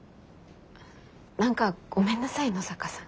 何かごめんなさい野坂さん。